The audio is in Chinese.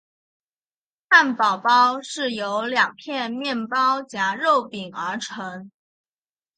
汉堡包是由两片面包夹肉饼而成。